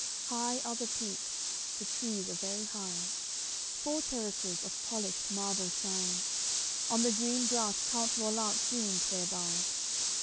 CLXIX High are the peaks, the trees are very high. Four terraces of polished marble shine; On the green grass count Rollant swoons thereby.